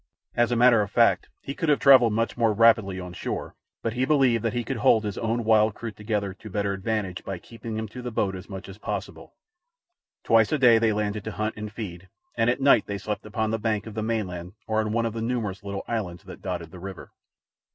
As a matter of fact, he could have travelled much more rapidly on shore, but he believed that he could hold his own wild crew together to better advantage by keeping them to the boat as much as possible. Twice a day they landed to hunt and feed, and at night they slept upon the bank of the mainland or on one of the numerous little islands that dotted the river.